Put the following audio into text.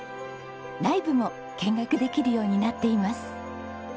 内部も見学できるようになっています。